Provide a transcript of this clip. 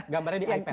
gambarnya di ipad